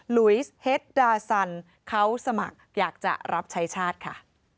ลุยสเฮ็ดดาสันเขาสมัครอยากจะรับใช้ชาติค่ะ